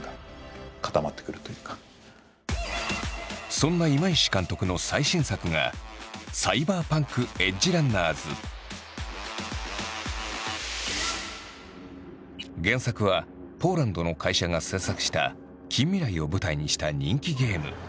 そんな今石監督の最新作が原作はポーランドの会社が制作した近未来を舞台にした人気ゲーム。